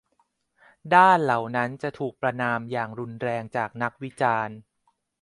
ด้านเหล่านั้นถูกประณามอย่างรุนแรงจากนักวิจารณ์